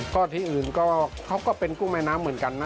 ก็ที่อื่นก็เขาก็เป็นกุ้งแม่น้ำเหมือนกันนะ